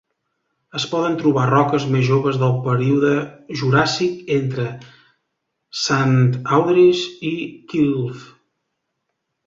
Es poden trobar roques més joves del període Juràssic entre Saint Audries i Kilve.